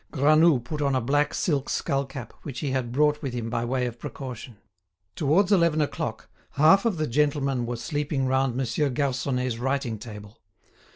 Granoux put on a black silk skull cap which he had brought with him by way of precaution. Towards eleven o'clock, half of the gentlemen were sleeping round Monsieur Garconnet's writing table.